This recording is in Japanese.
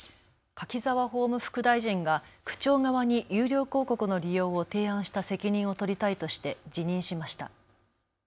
柿沢法務副大臣が区長側に有料広告の利用を提案した責任を取りたいとして辞任しました。